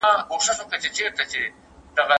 مرگ په ماړه نس ښه خوند کوي.